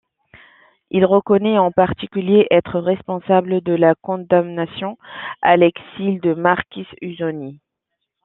Il reconnaît en particulier être responsable de la condamnation à l'exil du marquis Ussoni.